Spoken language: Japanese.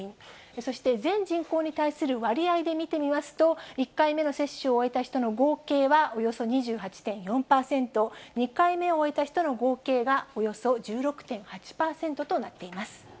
そして全人口に対する割合で見てみますと、１回目の接種を終えた人の合計はおよそ２８．４％、２回目を終えた人の合計がおよそ１６．８％となっています。